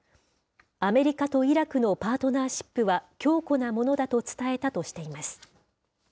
アメリカとイラクのパートナーシップは強固なものだと伝えたとしています。